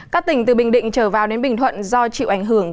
các tỉnh từ bình định trở vào đến bình thuận do chịu ảnh hưởng